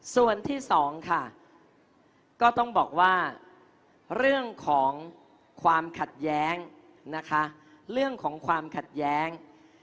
ส่วนที่สองค่ะก็ต้องบอกว่าเรื่องของความขัดแย้งนะคะเรื่องของความขัดแย้ง